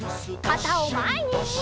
かたをまえに！